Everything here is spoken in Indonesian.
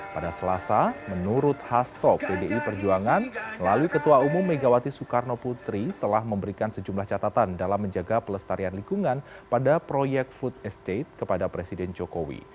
pada selasa menurut hasto pdi perjuangan melalui ketua umum megawati soekarno putri telah memberikan sejumlah catatan dalam menjaga pelestarian lingkungan pada proyek food estate kepada presiden jokowi